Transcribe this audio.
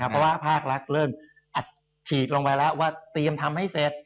เพราะว่าภาครัฐเริ่มอัดฉีดลงไปแล้วว่าเตรียมทำให้เสร็จ